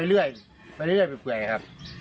ก็เลยอยากให้หมอปลาเข้ามาช่วยหน่อยค่ะ